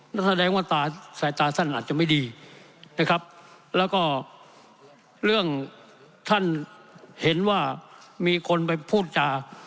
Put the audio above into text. นั่นแสดงว่าตาสายตาท่านอาจจะไม่ดีนะครับแล้วก็เรื่องท่านเห็นว่ามีคนไปพูดจา